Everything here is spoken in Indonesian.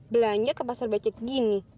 belanja ke pasar becek gini